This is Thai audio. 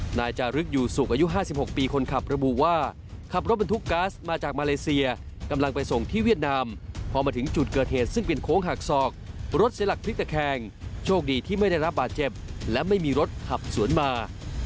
นายจารึกอยู่สุขอายุ๕๖ปีคนขับระบุว่าขับรถบรรทุกก๊าซมาจากมาเลเซียกำลังไปส่งที่เวียดนามพอมาถึงจุดเกิดเหตุซึ่งเป็นโค้งหักศอกรถเสียหลักพลิกตะแคงโชคดีที่ไม่ได้รับบาดเจ็บและไม่มีรถขับสวนมา